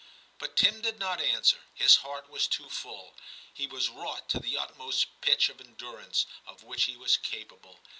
' But Tim did not answer; his heart was too full. He was wrought to the utmost pitch of endurance of which he was capable.